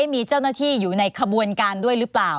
มีเจ้าหน้าที่อยู่ในขบวนการด้วยหรือเปล่า